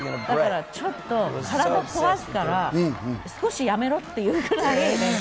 だからちょっと、体壊すから少しやめろっていうぐらい。